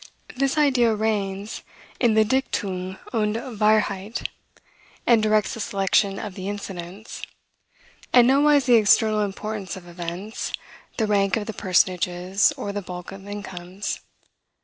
This idea reigns in the Dichtung und Wahrheit, and directs the selection of the incidents; and nowise the external importance of events, the rank of the personages, or the bulk of incomes.